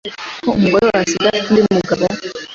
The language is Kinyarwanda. ko umugore we asigaye afite undi mugabo